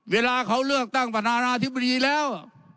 เวลาเขาเลือกตั้งประธานาธิบดีแล้ว